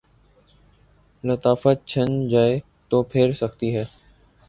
لطافت چھن جائے تو پھر سختی ہے۔